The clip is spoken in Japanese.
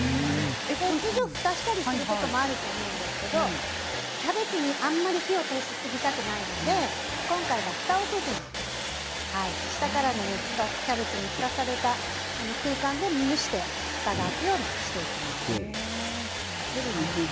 通常は、ふたをしたりすることもあると思うんですがキャベツに、あんまり火を通しすぎたくないので今回は、ふたをせず下からの熱とキャベツにふたをされた空間で蒸してあさりのふたが開くようにしていきます。